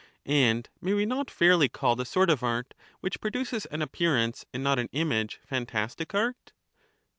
And may we not fairly call the sort of art, which pro duces an appearance and not an image, phantastic art